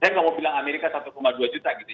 saya nggak mau bilang amerika satu dua juta gitu